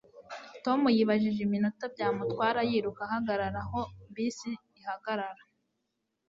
Tom yibajije iminota byamutwara yiruka ahagarara aho bisi ihagarara.